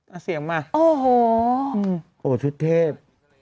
เอาเสียงมาโอ้โหโอ้โหชุดเทพ